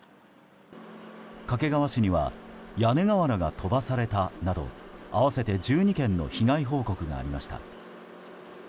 掛川市には屋根瓦が飛ばされたなど合わせて１２件の被害報告がありました。